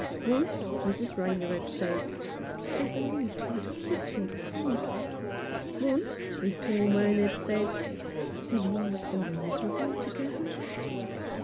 Once Mrs. Rayner had said, "I be lieved you would keep your promise ;" once the tall man had said, "when we were so miserable together."